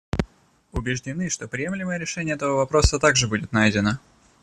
Убеждены, что приемлемое решение этого вопроса также будет найдено.